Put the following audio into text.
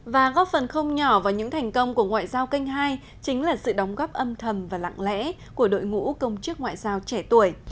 và góp phần không nhỏ vào những thành công của ngoại giao kênh hai chính là sự đóng góp âm thầm và lặng lẽ của đội ngũ công chức ngoại giao trẻ tuổi